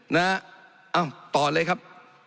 นะต่อเลยครับ